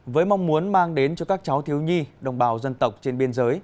với mong muốn mang đến cho các cháu thiếu nhi đồng bào dân tộc trên biên giới